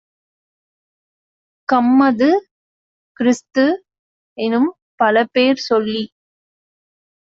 கம்மது, கிறிஸ்து-எனும் பலபேர் சொல்லிச்